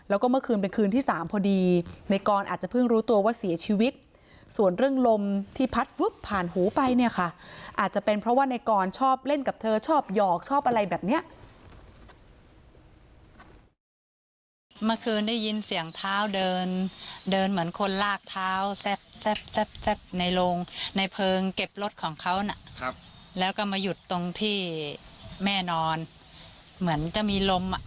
อาจจะเป็นเพราะว่าในกรชอบเล่นกับเธอชอบหยอกชอบอะไรแบบนี้